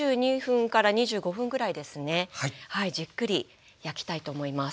じっくり焼きたいと思います。